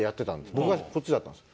僕がこっちだったんですよ。